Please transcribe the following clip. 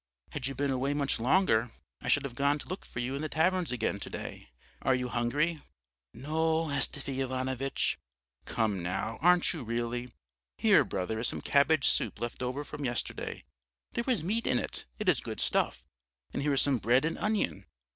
Had you been away much longer I should have gone to look for you in the taverns again to day. Are you hungry?' "'No, Astafy Ivanovitch.' "'Come, now, aren't you really? Here, brother, is some cabbage soup left over from yesterday; there was meat in it; it is good stuff. And here is some bread and onion.